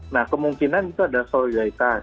nah kemungkinan itu ada solidaritas